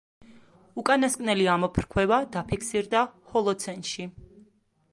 უკანასკნელი ამოფრქვევა დაფიქსირდა ჰოლოცენში.